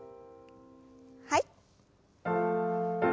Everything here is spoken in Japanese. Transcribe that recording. はい。